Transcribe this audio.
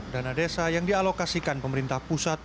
dana desa yang dialokasikan pemerintah pusat